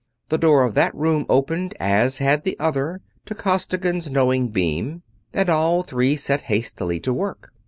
The door of that room opened, as had the other, to Costigan's knowing beam; and all three set hastily to work.